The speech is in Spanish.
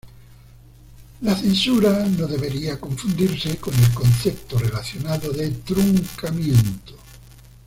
La censura no debería confundirse con el concepto relacionado de truncamiento.